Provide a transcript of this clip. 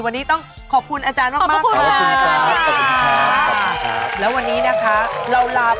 วันนี้ต้องขอบคุณอาจารย์มากค่ะ